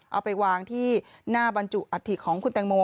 เอาไปวางที่หน้าบรรจุอัฐิของคุณแตงโม